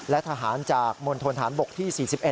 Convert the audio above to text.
และทหารจากมณฑนฐานบกที่๔๑